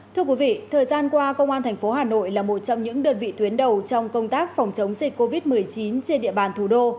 thưa quý vị thời gian qua công an tp hà nội là một trong những đơn vị tuyến đầu trong công tác phòng chống dịch covid một mươi chín trên địa bàn thủ đô